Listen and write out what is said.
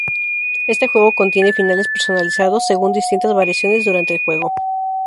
Este juego contiene finales personalizados según distintas variaciones durante el juego.